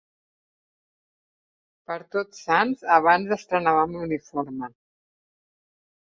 Per Tots Sants abans estrenàvem l'uniforme.